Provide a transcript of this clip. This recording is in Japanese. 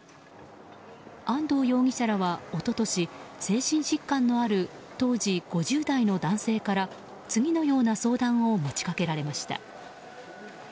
安藤容疑者らは一昨年精神疾患のある当時５０代の男性から次のような相談を持ち掛けられました。